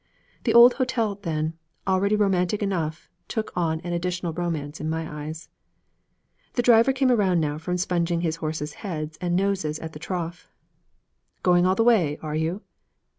The old hotel, then, already romantic enough, took on an additional romance in my eyes. The driver came around now from sponging his horses' heads and noses at the trough. 'Going all the way, are you?'